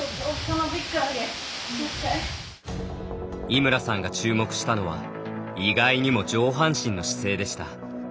井村さんが注目したのは意外にも上半身の姿勢でした。